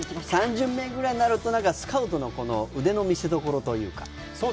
３巡目ぐらいになると、スカウトの腕の見せどころというか。